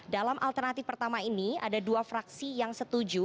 dalam alternatif pertama ini ada dua fraksi yang setuju